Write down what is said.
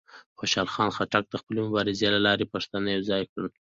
خوشحال خان خټک د خپلې مبارزې له لارې پښتانه یوځای کړل.